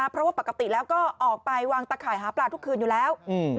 เพราะว่าปกติแล้วก็ออกไปวางตะข่ายหาปลาทุกคืนอยู่แล้ว